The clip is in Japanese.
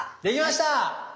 できました。